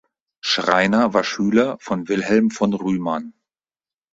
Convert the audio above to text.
Schreiner war Schüler von Wilhelm von Rümann.